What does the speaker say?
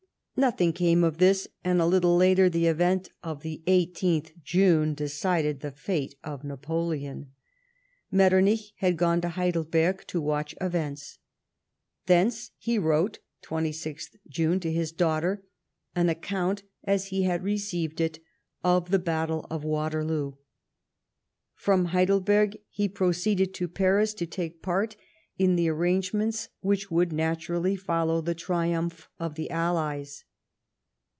Nothing came of this ; and, a little later, the event of the 18th June decided the fate of Napoleon. Metternich had gone to Heidelberg to watch events. Thence he wrote, 22nd June, to his daughter, an account, as he had received it, of the battle of Waterloo. From Heidelberg he proceeded to Paris to take part in the arrangements which would naturally follow the triumph of the Allies.